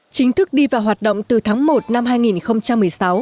chính thức đi vào hoạt động từ tháng một năm hai nghìn một mươi sáu